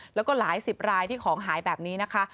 แล้วก็หลายสิบรายที่ของหายแบบนี้นะคะ